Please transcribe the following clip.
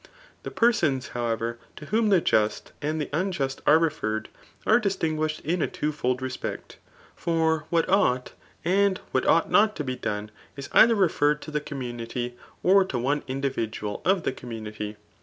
g The persons, however, to whom the Just and (he no* ust are referred, are di$tinguished in a twofold respect, bf what ought and what ought not to be done is either referred to the community, or to one individual of die community.